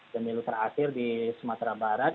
demi luter akhir di sumatera barat